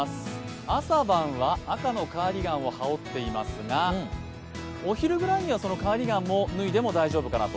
朝晩は赤のカーディガンを羽織っていますが、お昼ぐらいにはそのカーディガンも脱いでも大丈夫かなと。